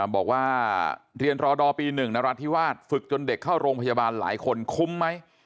บอกว่าเรียนรอดอปี๑นรัฐธิวาสฝึกจนเด็กเข้าโรงพยาบาลหลายคนคุ้มไหม